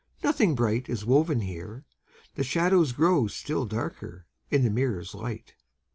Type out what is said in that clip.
Nothing bright Is woven here: the shadows grow Still darker in the mirror's light!